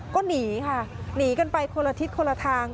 ก็หนีค่ะหนีกันไปคนละทิศคนละทาง